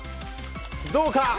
どうか。